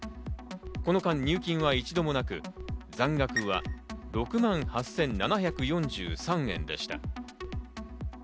この間、入金は一度もなく、残額は６万８７４３円でした。